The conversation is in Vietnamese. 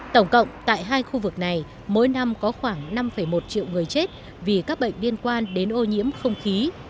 tổng cộng tại hai khu vực này mỗi năm có khoảng năm một triệu người chết vì các bệnh liên quan đến ô nhiễm không khí